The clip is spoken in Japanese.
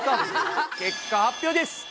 結果発表です。